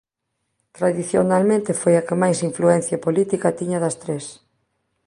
Tradicionalmente foi a que máis influencia política tiña das tres.